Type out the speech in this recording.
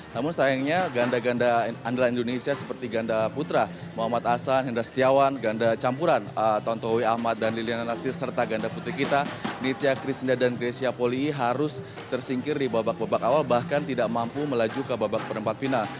namun sayangnya ganda ganda andalan indonesia seperti ganda putra muhammad ahsan hendra setiawan ganda campuran tontowi ahmad dan liliana nasir serta ganda putri kita nitya krisna dan grecia poli harus tersingkir di babak babak awal bahkan tidak mampu melaju ke babak perempat final